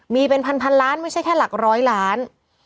มีเป็นพันล้านไม่ใช่แค่หลักร้อยล้าน